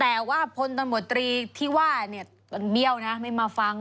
แต่ว่าผลตรงบริที่ว่ามันเบี้ยวมันไม่มาฟัง